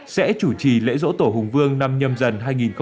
sẽ chủ trì lễ rỗ tổ hùng vương năm nhầm dần hai nghìn hai mươi hai